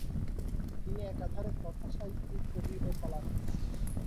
তিনি একাধারে কথাসাহিত্যিক, কবি ও কলামিস্ট।